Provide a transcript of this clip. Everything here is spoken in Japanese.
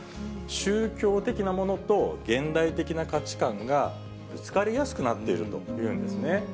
宗教的なものと現代的な価値観がぶつかりやすくなっているというんですね。